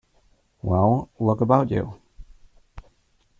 Well, look about you.